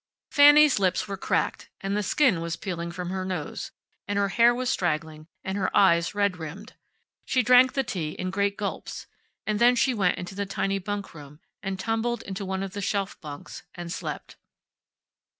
Fanny's lips were cracked, and the skin was peeled from her nose, and her hair was straggling and her eyes red rimmed. She drank the tea in great gulps. And then she went into the tiny bunkroom, and tumbled into one of the shelf bunks, and slept.